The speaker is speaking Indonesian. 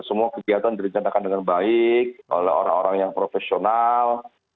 semua kegiatan direncanakan dengan baik oleh orang orang yang profesional